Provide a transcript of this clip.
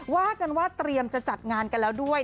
ว่ากันว่าเตรียมจะจัดงานกันแล้วด้วย